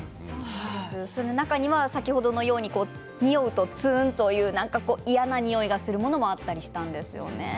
中には先ほどのようににおうつーんという嫌なにおいがするものもあったりしたんですよね。